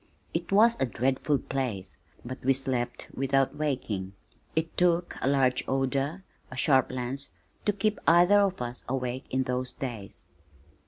It was a dreadful place, but we slept without waking. It took a large odor, a sharp lance to keep either of us awake in those days.